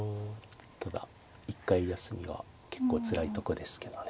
ただ一回休みは結構つらいとこですけどね。